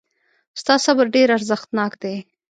ستا صبر ډېر ارزښتناک دی.